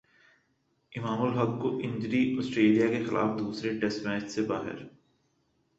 امام الحق کو injury Australia کے خلاف دوسرے ٹیسٹ میچ سے باہر